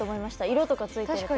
色とかついてると。